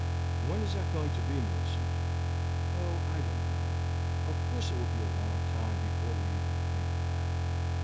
"When is that going to be, Millicent?" "Oh, I don't know; of course it will be a long time before we even think of that."